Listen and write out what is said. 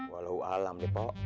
walau alam nih pok